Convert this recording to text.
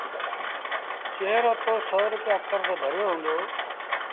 جݩهݩ رو تو سو روپيآ ڪرز ڀريو هُݩدو